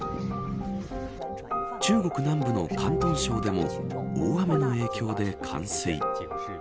中国南部の広東省でも大雨の影響で冠水。